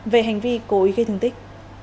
về hành vi cố ý gây thương tích